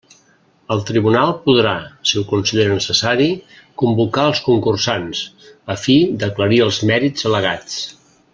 El tribunal podrà, si ho considera necessari, convocar els concursants, a fi d'aclarir els mèrits al·legats.